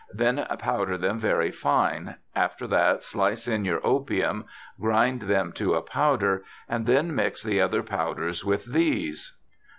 Then powder them very fine ; after that slice in your opium, grind them to a powder, and then mix the other powders with these.